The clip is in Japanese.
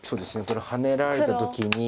これハネられた時に。